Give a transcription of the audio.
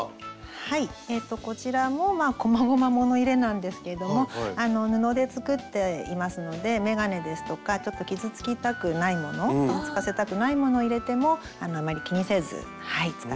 はいこちらもこまごま物入れなんですけども布で作っていますので眼鏡ですとかちょっと傷つきたくないもの傷つかせたくないものを入れてもあんまり気にせず使って頂けます。